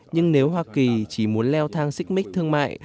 nhưng nếu hoa kỳ chỉ muốn leo thang xích mích thương mại